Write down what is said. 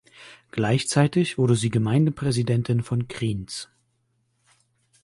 Gleichzeitig wurde sie Gemeindepräsidentin von Kriens.